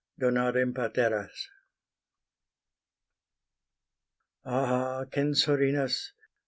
DONAREM PATERAS. Ah Censorinus!